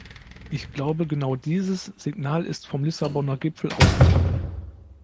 Ich glaube, genau dieses Signal ist vom Lissabonner Gipfel ausgegangen.